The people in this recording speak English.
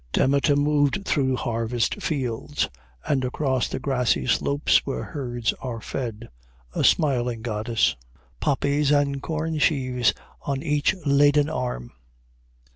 Demeter moved through harvest fields and across the grassy slopes where herds are fed, a smiling goddess, "Poppies and corn sheaves on each laden arm."